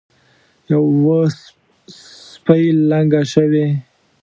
یوه سپۍ لنګه شوې.